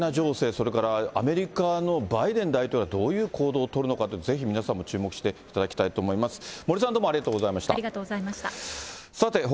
このウクライナ情勢、それからアメリカのバイデン大統領はどういう行動を取るのかという、ぜひ皆さんも注目していただきたいと思います。